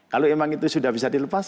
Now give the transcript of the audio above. kalau memang itu sudah bisa dilepas